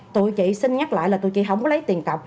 tụi chị xin nhắc lại là tụi chị không có lấy tiền cọc